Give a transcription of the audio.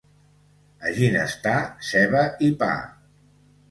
A Ginestar, ceba i pa.